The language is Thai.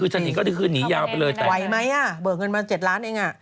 คือจะหนีก็หนียาวไปเลยไหวไหมอ่ะเบิกเงินมา๗ล้านเองอ่ะ